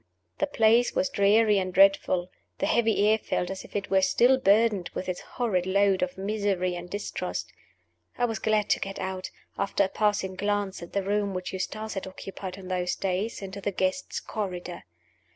The place was dreary and dreadful; the heavy air felt as if it were still burdened with its horrid load of misery and distrust. I was glad to get out (after a passing glance at the room which Eustace had occupied in those days) into the Guests' Corridor.